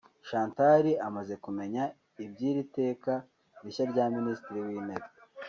Chantal amaze kumenya iby’iri teka rishya rya Minisitiri w’Intebe